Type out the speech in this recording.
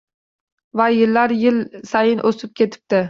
Va yillar yil sayin o‘sib ketibdi.